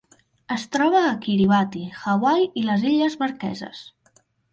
Es troba a Kiribati, Hawaii i les Illes Marqueses.